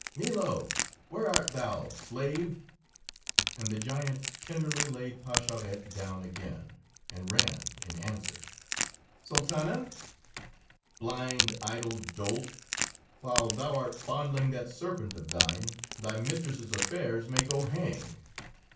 "Milo! Where art thou, slave!" And the giant tenderly laid Pascherette down again, and ran in answer. "Sultana?" "Blind, idle dolt! While thou art fondling that serpent of thine, thy mistress's affairs may go hang!